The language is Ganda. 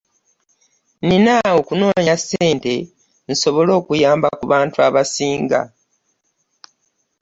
Nina okunonya ssente nsobole okuyamba ku bantu abasinga.